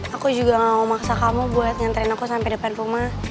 aku juga gak mau maksa kamu buat nyanterin aku sampai depan rumah